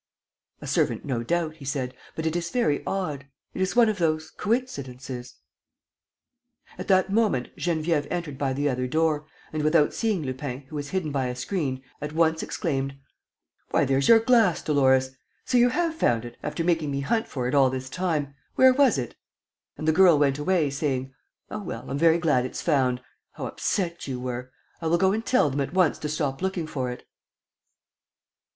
..." "A servant, no doubt," he said, "but it is very odd ... it is one of those coincidences. ..." At that moment, Geneviève entered by the other door, and without seeing Lupin, who was hidden by a screen, at once exclaimed: "Why, there's your glass, Dolores! ... So you have found it, after making me hunt for it all this time! ... Where was it?" And the girl went away saying, "Oh, well, I'm very glad it's found! ... How upset you were! ... I will go and tell them at once to stop looking for it.